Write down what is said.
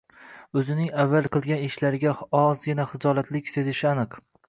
Oʻzining avval qilgan ishlariga ozgina xijolatlik sezishi aniq.